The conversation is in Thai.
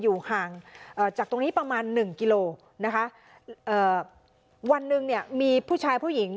อยู่ห่างจากตรงนี้ประมาณหนึ่งกิโลนะคะเอ่อวันหนึ่งเนี่ยมีผู้ชายผู้หญิง